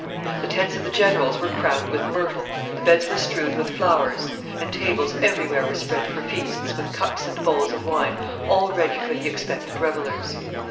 The tents of the generals were crowned with myrtle, the beds were strewed with flowers, and tables every where were spread for feasts, with cups and bowls of wine all ready for the expected revelers.